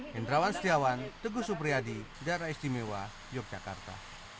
hendrawan setiawan teguh supriyadi daerah istimewa yogyakarta